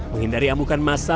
menghindari amukan massa